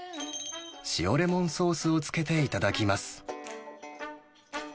塩レモンソースをつけて頂きます。